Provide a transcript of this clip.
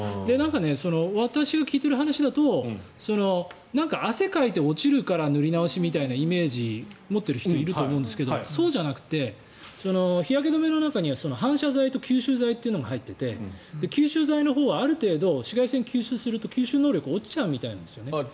私が聞いている話だと汗かいて落ちるから塗り直しみたいなイメージを持っている人いると思うんですけどそうじゃなくて日焼け止めの中には反射材と吸収材というのが入っていて吸収材のほうはある程度、紫外線を吸収すると吸収能力が落ちちゃうみたいなんですね。